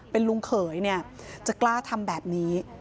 เป็นลุงเขยเนี่ยจะกล้าทำแบบนี้